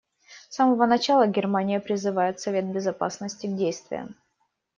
С самого начала Германия призывала Совет Безопасности к действиям.